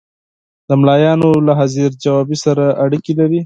د ملایانو له حاضر جوابي سره اړیکې لري.